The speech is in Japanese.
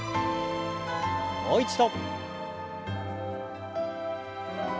もう一度。